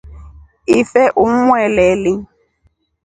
Ife umweleli.